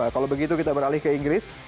kalau begitu kita beralih ke inggris